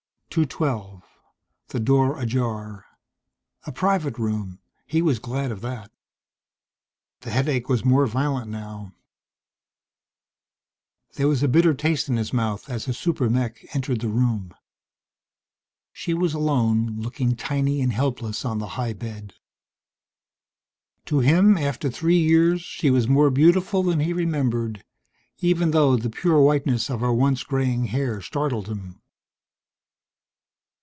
212. The door ajar. A private room. He was glad of that. The headache was more violent now there was a bitter taste in his mouth as his super mech entered the room. She was alone, looking tiny and helpless on the high bed. To him, after three years, she was more beautiful than he remembered, even though the pure whiteness of her once graying hair startled him.